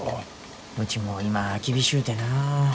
うちも今厳しゅうてな。